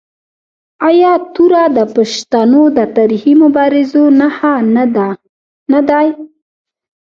آیا توره د پښتنو د تاریخي مبارزو نښه نه ده؟